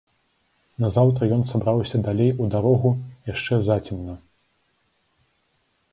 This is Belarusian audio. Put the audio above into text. Назаўтра ён сабраўся далей у дарогу яшчэ зацемна.